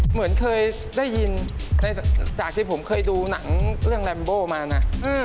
เหมือนเคยได้ยินจากที่ผมเคยดูหนังเรื่องแรมโบมานะ